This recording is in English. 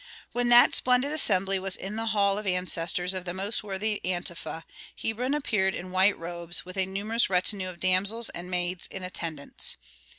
When that splendid assembly was in the hall of the ancestors of the most worthy Antefa, Hebron appeared in white robes with a numerous retinue of damsels and maids in attendance.